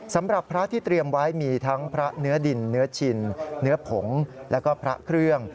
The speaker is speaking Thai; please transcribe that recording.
สำหรับพระที่เตรียมไว้มีทั้งพระเนื้อดินเนื้อชินเนื้อผงแล้วก็พระเครื่อง